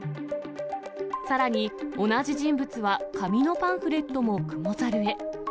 さらに、同じ人物は、紙のパンフレットもクモザルへ。